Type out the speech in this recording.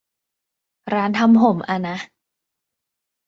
ร้านทำผมอ่ะนะ